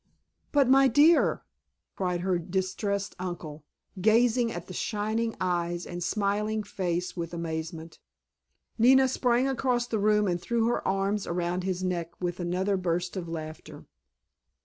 "But, my dear——" cried her distressed uncle, gazing at the shining eyes and smiling face with amazement. Nina sprang across the room and threw her arms around his neck with another burst of laughter.